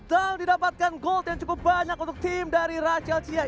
dan didapatkan gold yang cukup banyak untuk tim dari rachel xia